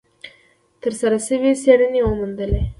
ترسره شوې څېړنې وموندلې،